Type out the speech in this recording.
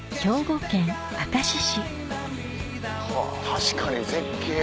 確かに絶景。